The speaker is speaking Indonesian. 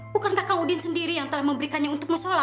bukankah kang udin sendiri yang telah memberikannya untuk musyola